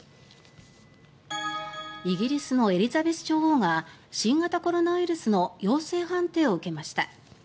イギリスのエリザベス女王が新型コロナウイルスの陽性判定を受けました。